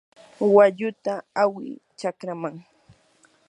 walluta hawi chakraman.